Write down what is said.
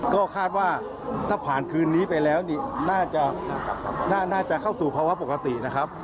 ก็คาดว่าถ้าผ่านคืนนี้ไปแล้วนี่น่าจะเข้าสู่ภาวะปกตินะครับ